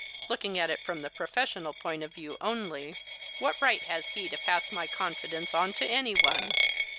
Looking at it from the professional point of view only, what right has he to pass my confidence on to any one?